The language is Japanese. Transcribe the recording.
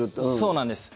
そうなんです。